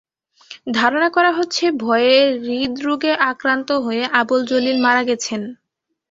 ধারণা করা হচ্ছে, ভয়ে হৃদ্রোগে আক্রান্ত হয়ে আবদুল জলিল মারা গেছেন।